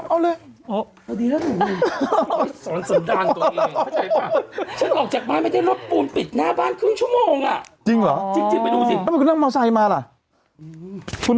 มันดีนะมันแน่ใจแกเดินเข้าตอนไหนใส่เดินอยากจะทำเอาเร็ว